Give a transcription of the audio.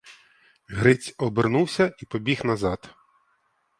Гриць обернувся і побіг назад.